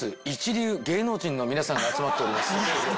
一流芸能人のみなさんが集まっております